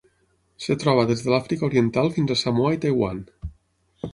Es troba des de l'Àfrica Oriental fins a Samoa i Taiwan.